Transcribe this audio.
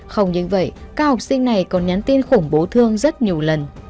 không những vậy các học sinh này còn nhắn tin khủng bố thương rất nhiều lần